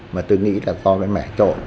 mà tôi nghĩ là do mẻ trộn